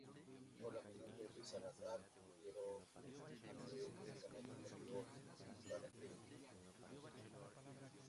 Asistieron sesenta y una sociedades obreras catalanas.